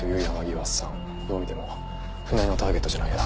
どう見ても船井のターゲットじゃないよな。